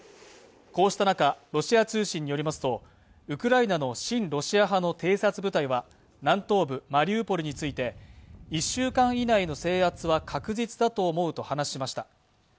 こうした中、ロシア通信によりますとウクライナの親ロシア派の偵察部隊は、南東部マリウポリについて、１週間以内の制圧は確実だと思うと話しました。